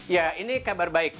ya ini kabar baik